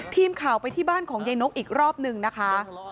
ทีมข่าวไปที่บ้านของยายนกอีกรอบนึงนะคะ